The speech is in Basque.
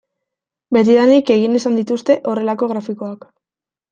Betidanik egin izan dituzte horrelako grafikoak.